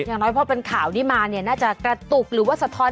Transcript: อย่างน้อยพอเป็นข่าวนี้มาเนี่ยน่าจะกระตุกหรือว่าสะท้อน